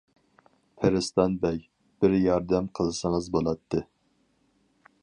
پىرىستان بەگ بىر ياردەم قىلسىڭىز بولاتتى.